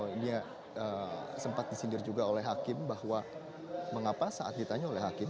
ini sempat disindir juga oleh hakim bahwa mengapa saat ditanya oleh hakim